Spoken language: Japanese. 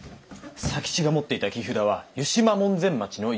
佐吉が持っていた木札は湯島門前町の湯屋でした。